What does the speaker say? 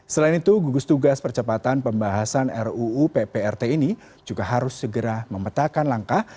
selain itu gugus tugas percepatan pembahasan ruu pprt ini juga harus segera memetakan langkah